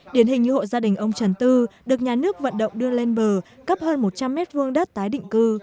điển hình như hộ gia đình ông trần tư được nhà nước vận động đưa lên bờ cấp hơn một trăm linh m hai đất tái định cư